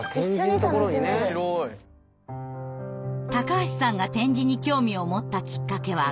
橋さんが点字に興味を持ったきっかけは５年前。